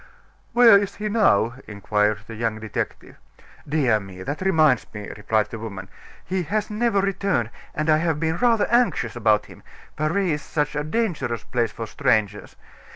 "Where is he now?" inquired the young detective. "Dear me! that reminds me," replied the woman. "He has never returned, and I have been rather anxious about him. Paris is such a dangerous place for strangers!